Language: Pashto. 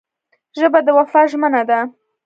ژبه د وفا ژمنه ده